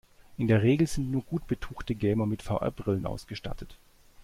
In der Regel sind nur gut betuchte Gamer mit VR-Brillen ausgestattet.